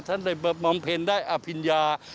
ท่านได้บำเพ็ญได้อภิญญา